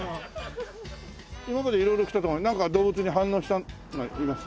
今まで色々来てなんか動物に反応したのいます？